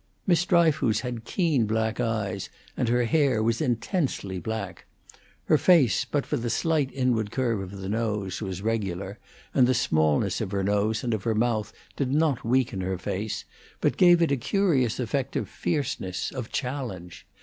Miss Dryfoos had keen black eyes, and her hair was intensely black. Her face, but for the slight inward curve of the nose, was regular, and the smallness of her nose and of her mouth did not weaken her face, but gave it a curious effect of fierceness, of challenge.